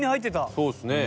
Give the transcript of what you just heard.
そうですね。